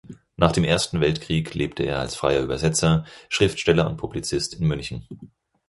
Nach dem Ersten Weltkrieg lebte er als freier Übersetzer, Schriftsteller und Publizist in München.